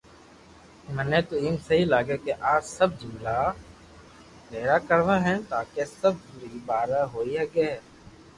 مني تو ايم سھي لاگي ڪي اج سب جملا پئرا ڪروا ھي تاڪي سب ري ڀآرو ھوئي ھگو